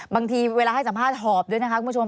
บางทีเวลาให้สัมภาษณ์หอบด้วยนะคะคุณผู้ชม